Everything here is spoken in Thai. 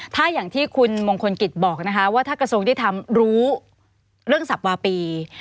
ถ้าอย่างที่คุณมงคลกิตบอกนะคะว่าท่ากระทรงที่ทำรู้เรื่องศัพท์วาปี